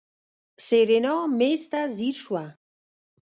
سېرېنا مېز ته ځير شوه.